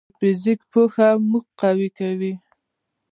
د فزیک پوهه موږ قوي کوي.